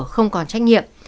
không còn trách nhiệm